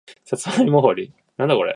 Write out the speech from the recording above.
さつまいも掘り